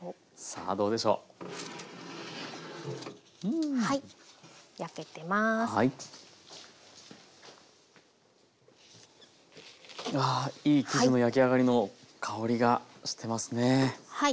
あいい生地の焼き上がりの香りがしてますね。